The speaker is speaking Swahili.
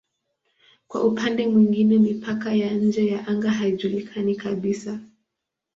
Kwa upande mwingine mipaka ya nje ya anga haijulikani kabisa.